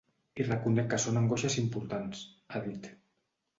I reconec que són angoixes importants, ha dit.